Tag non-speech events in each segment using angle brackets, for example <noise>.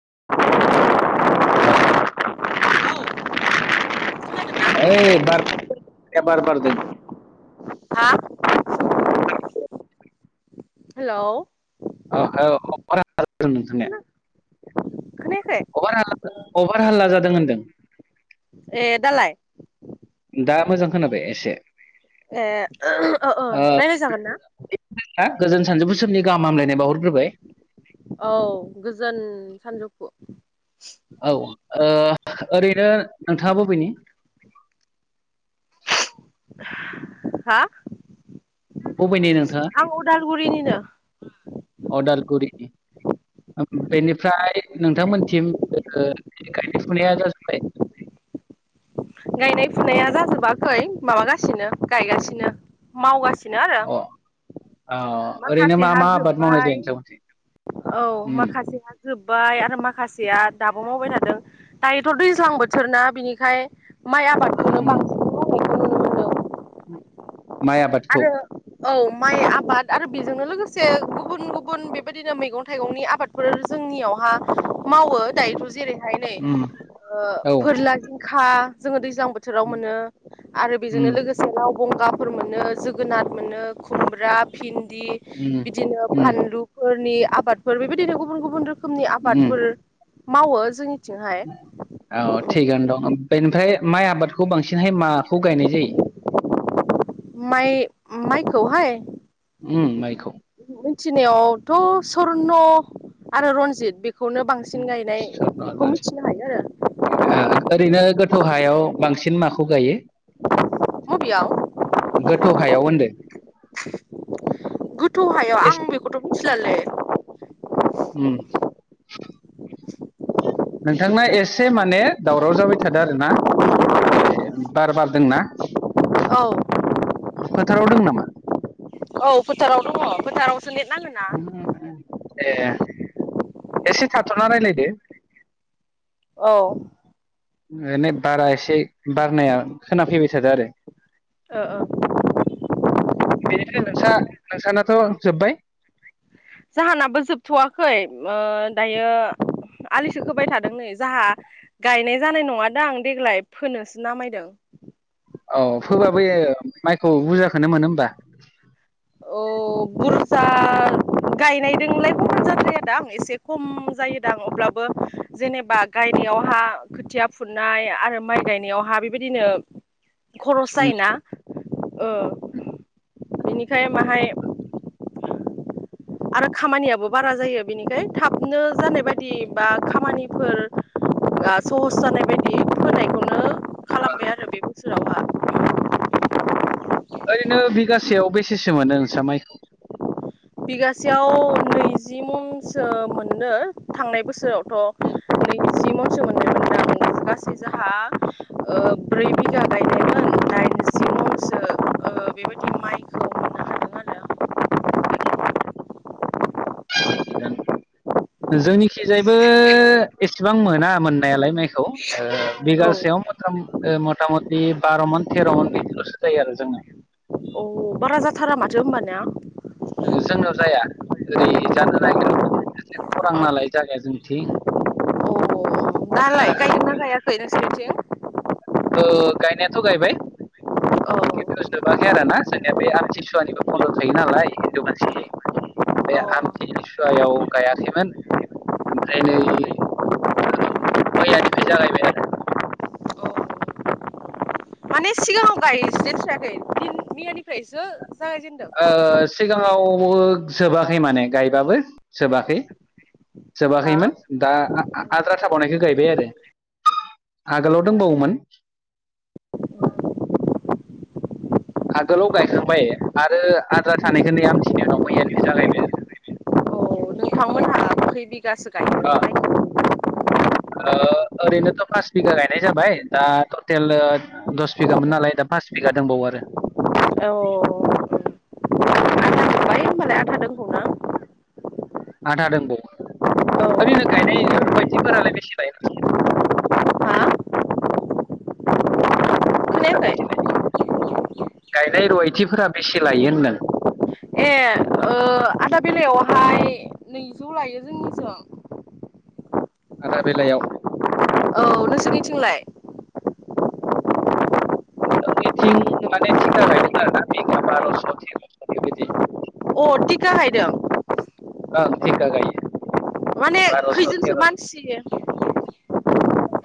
<unintelligible> <unintelligible> ओइ बार <unintelligible> बार बारदों हा हेलौ ओह होव <unintelligible> खोना खोनायाखै अभार हाल्ला अभार हाल्ला जादों होनदों ए दालाय दा मोजां खोनाबाय एसे ए ओ ओ रायलाय जागोन ना हा गोजोन सानजौफु समनि गाहाम हामलायनाय बावहरग्रोबाय औ गोजोन सानजौफु औ ओ ओरैनो नोंथाङा बबेनि? हा बबेनि नोंथाङा? आं उदालगुरिनिनो अदालगुरिनि बेनिफ्राय नोंथांमोननिसिम ओ गायनाय फुनाया जाजोबबाय गायनाय फुनाया जाजोबाखै माबागासिनो गायगासिनो मावगासि नो आरो अ अ ओरैनो मा माखासेहा मा आबाद मावनाय जोबबाय जायो नोंथांमोनथिं औ उम माखासेहा जोबबाय आरो माखासेया दाबो मावबाय थादों दायोथ' दैज्लां बोथोरना बिनिखाय माइ आबादखौनो उम बांसिन मावबाय माइ आबादखौ आरो औ माइ आबाद आरो बेजोंनो लोगोसे गुबुन गुबुन बेबायदिनो मिगं थाइगंनि आबादफोर जों नियावहा मावो दायोथ' जेरैहाय नै उम ओ औ उम फोरला जिंखा जोङो दैज्लां बोथोराव मोनो आरो बेजोंनो उम लोगोसे लाव बंगाफोर मोनो जोगोनार मोनो खुमब्रा भिन्दि बिदिनो उम फानलुफोरनि आबादफोर बेबायदिनो गुबुन गुबुन रोखोमनि उम आबादफोर मावो जोंनि औ थिगानो दं बेनिफ्राय माइ आबादखौ बांसिनहाय मा खौ गायनाय जायो? माइ माइखौहाय उम माइखौ थिनायावथ' सर्न आरो रनजित बे खौनो बांसिन स्वर्न गायनायखौ रनजित। मिथिनो हायो आरो गाहायाव बांसिन माखौ गायो? बबेयाव गोथौ हायाव होनदो गोथौ हायाव एस आं बेखौथ' मिथिलालै उम नोंथांना एसे माने दावराव जाबाय थादों आरो ना बार बारदोंना <inaudible> औ। फोथाराव दं नामा। औ फोथाराव दङ फोथारावसो नेट नाङो ना। ए एसे थाथ'ना राय्लायदो। औ। बारा एसे बारनाया खोनाफैबाय थादो आरो औ औ। बेनिफ्राय नोंसा नोंसानाथ' जोब्बाय। जाहानाबो जोबथ'वाखै ओ दायो। आलिसो खोबाय थादों नै जाहा गायनाय जानाय नङादां देग्लाय फोनोसो नामायदों। <inaudible> औ फोबाबो माइखौ बुरजाखौनो मोनो होमबा? औ बुरजा। गायनायजोंलाय बुरजा जाद्रायादां एसे खम जायोदां अब्लाबो जेनेबा गायनाय। याव हा खोथिया फुनाय आरो माइ गायनायावहा बेबायदिनो खरस उम जायोना ओ। <inaudible> बिनिखाय माहाय आरो खामानियाबो बारा जायो बेनिखाय थाबनो जानाय बायदि बा खामानिफोर। सहस जानाय बायदि फोनायखौनो। खालामबाय आरो बे बोसोरावहा। ओरैनो बिगासेयाव बेसेसो मोनो नोंस्रा माइखौ। बिगासेयाव नैजि मनसो मोनो थांनाय बोसोरावथ'। ओरै नैजि मनसो मोन्दोंमोनदां गासै जोंहा ओ ब्रै बिगा गायनायमोन दाइनजि मनसो मोनसो। ओ बेबायदि माइखौ मोननो हादों आरो। जोंनिखिजायबो एसेबां मोना मोननायालाय माइखौ ओ बिगासेयाव। ओ मथा मथि बार' मन थेर' मन बिदिल'सो जायो आरो जोङो औ बारा जाथारा माथो होनबा ना। जोंनाव जाया ओरै जानो नागिरा <unintelligible> खौरां नालाय जागाया जोंथिं औ दालाय गायगोना गायाखै नोंसोरनिथिं। ओ गायनायाथ' गायबाय। औ खिन्थु जोबाखै आरो ना जोंनिया बे आमथिसुवानिबो बन्द' थायो नालाय हिन्दु मानसि। बे औ आमथिसुवायाव गायाखैमोन ओमफ्राय नै। औ मैयानिफ्राय जागायबाय आरो। माने सिगाङाव गायजेनस्रायाखै फिन मैयानिफ्रायसो। जागायजेनदों ओ सिगाङाव। जोबाखै माने गायबाबो जोबाखै हा जोबाखैमोन दा। आद्रा थाबावनायखौ गायबाय आरो आगोलाव दंबावोमोन। <inaudible> आगोलाव गायखांबाय आरो आद्रा थानायखौ नै आमथिनि उनाव मैयानिप्राइ जागायबाय आरो। औ नोंथांमोनहा खै बिगासो गायाखो आमफ्राइ। ओ ओरैनोथ' पास बिगा गायनाय जाबाय दा टटेल दस बिगामोन नालाय दा। पास बिगा दंबावो आरो। औ। आधा दोंखौना? आदा दंबावो ओरैनो गायनाय रुबायथिफोरालाय बेसे लायो। हा <unintelligible> खोनायाखै? गायनाय रहायथिफोरा बेसे लायो होन नों <unintelligible> ए ओ आदा बेलइायावहाय नैजौ लायो जोंनिजों। आदा बेलायाव औ नोंसोरनिथिंलाय जोंनिथिं माने थिखा गायदों आरोना बिगा बार'स' तेर'स' बेबायदि फतिकाहायदों आं थिका गायो माने बार'स' खैजोंसो तेर'स' मानसियो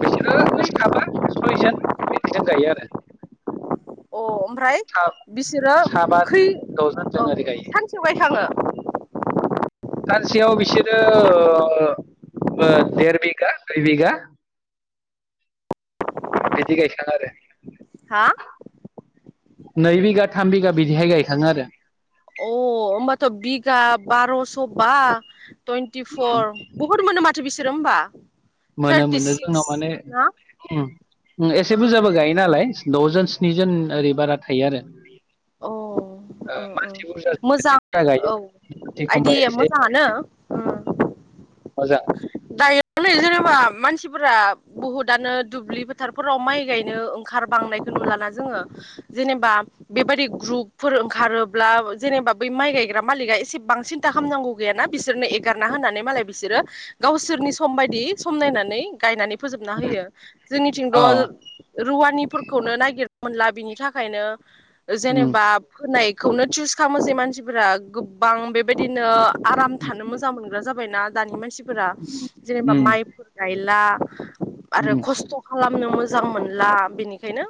बिसोरो साबा सयजन बिदि जों गायो आरो ओमफ्राय बिसोरो साबा खै दजोन औ जों ओरि गायो सानसेयाव गायखाङो? सानसेयाव बिसोरो अ देर बिगा दुइ बिघा बिदि गायखाङो आरो हा नै बिघा थाम बिघा बिदिहाय गायखाङो आरो अ होनबाथ' बिगा बार'स' बा टुइन्टिफर बुहुत मोनो माथो बिसोरो होमबा मोनो थार्टि मोनो सिक्स जोंनाव माने ना ओम एसे बुरजाबो गायो नालाय द'जन स्निजन ओरै बारा थायो आरो। ओ अ आ अ मा मोजां औ खमबा आइदि मोजाङानो। आजा दायो जेनेबा मानसिफोरा बुहुदानो दुब्लि फोथारफोराव माइ गायनो ओंखार बांनाय खो नुलाना जोङो जेनेबा बेबायदि ग्रुपफोर ओंखारोबा जेनेबा बै माइ गायग्रा मालिका बां सिनता खामनांगौ गैयाना बिसोरनो एगारना होनानै मालाय बिसोरो गावसोरनि सम बायदि सम नायनानै गायनानै फोजोबना होयो जोंनिथिं औ दल रुवानि फोरखौनो ननायागिर मोनला बिनि थाखायनो उम जेनेबा फोनाय खौनो चुस खालामो जै मानसिफोरा गोबां बेबायदिनो आराम थानो मोजां मोनग्रा जाबाय। जाबायना दानि मानसिफोरा जेनेबा उम माइफोर गायला आरो उम खस्थ' खालामनो मोजां मोनला बेनिखायनो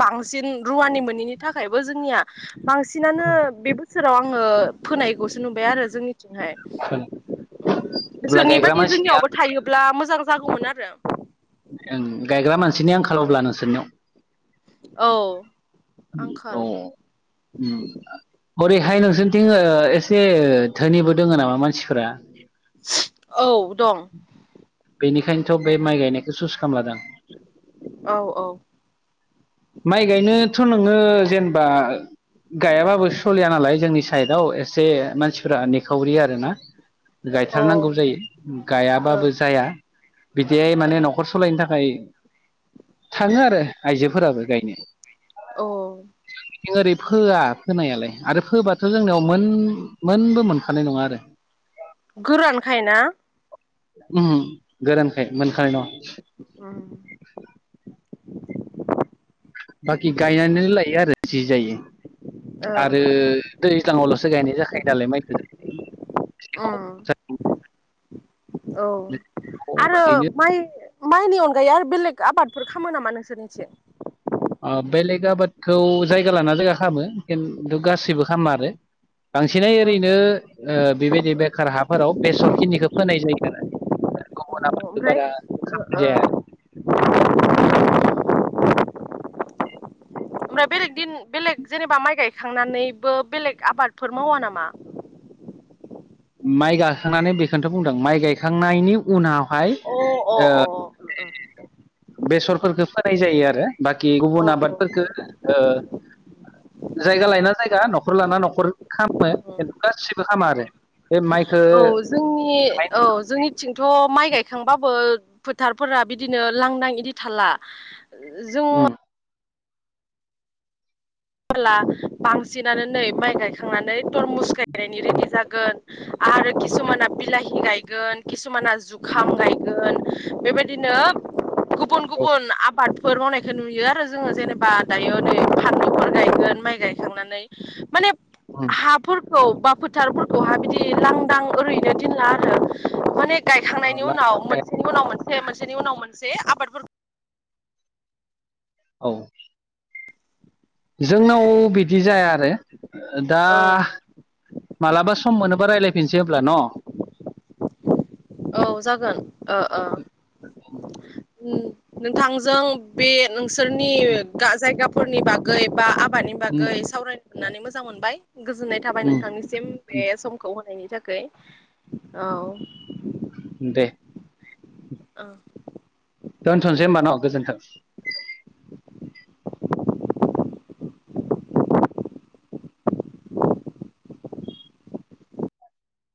बांसिन रुवानि मोनैनि थाखायबो जोंनिया बांसिनानो बे बोसोराव आङो फोनाय खौसो नुबाय आरो जोंनिथिंहाय अब्ला गायग्रा जोंनिबादि मानसिनि जोंनियावबो ब्ला मोजां जागौमोन आरो। ओं गायग्रा मानसिनि आंखाल अब्ला नोंसोरनियाव। औ आंखाल औ ओम ओरैहाय नोंसोरनिथिं अ एसे धोनिबो दोङ नामा मानसिफोरा? औ दं बेनिखायनोथ' बे माइ गायनायखौ सुस खालामलादां औ औ माइ गायनोथ' नोङो जेनेबा गायाबाबो सलिया नालाय जोंनि साइडआव एसे मानसिफ्रा नेखावरि आरोना औ गायथारनांगौ जायो गायाबाबो ओं जाया। बिदिहाय माने ओं न'खर सालायनो थाखाय थाङो आरो आइजोफोराबो गायनो औ ओरै फोआ फोनायालाय आरो फोबाथ' जोंनियाव मोनबो मोनखानाय नङा आरो। गोरानखाय ना गोरानखाय मोनखानाय नङा। ओम बाखि गायनानै लायो आरो जि जायो ओ आरो दै सिगाङावल'सो गायनाय जाखायो नालाय माइखौ। जोंनियाव ओम औ आरो ओरैनो माइ माइनि अन गायो आरो बेलेग आबादफोर खालामो नामा नोंसोरनिथिं? बेलेग आबादखौ जायगा लाना जायगा खालामो खिन्थु गासैबो खालामा आरो। बांसिनै अ ओरैनो बेबायदि बेखार हा फोराव बेसरखिनिखौ फोनाय जायो ओमफ्राय आरो। ओ <unintelligible> ओमफ्राय बेलेग दिन बेलेग जेनेबा माइ गायखांनानैबो बेलेग आबादफोर मावा नामा? <inaudible> माइ गाखांनानै बेखौनोथ' बुंदों माइ गायखांनायनि उनाव अ अ अ अ बेसरफोरखौ फोनाय जायो आरो बाखि औ गुबुन आबादफोरफोरखौ ओ जायगा लायना जायगा न'खर लाना न'खर खालामो खिन्थु गासिबो खामा आरो बे माइखौ औ जोंनि औ जोंनिथिंथ' माइ गायखांबाबो फोथारफोरा बिदिनो लांदां इदि थाला जों उम ला बांसिनानो नै माइ गायखांनानै तरमुस गाय उम रेडि जागोन आरो किसुमाना बिलाहि गायगोन खिसुमाना जुखाम गायगोन बेबायदिनो गुबुन औ गुबुन आबादफोर मावनायखौ नुयो आरो जोङो जेनेबा दायो नै फानलुफोर गायगोन माइ गायखांनानै माने उम हाफोरखौ फोथारफोरखौहाय बिदि लांदां ओरैनो दोनला आरो माने ओ गायखांनायनि ला- उनाव मोनसेनि उनाव मोनसे मोनसेनि उनाव मोनसे आबादफोरखौ औ <inaudible> जोंनाव बिदि जाया आरो दा औ मालाबा सम मोनोबा रायलायफिनसै हब्ला न' औ जागोन अ' अ' औ नोंथांजों बे नोंसोरनि उम जायगाफोरनि बागै बा हाबानि उम बागै सावरायनो मोन्नानै मोजां मोनबाय गोजोननाय थाबाय उम नोंथांनिसिम बे समखौ होनायनि थाखै औ दे ओ दोनथ'नोसै होमबा न' गोजोनथों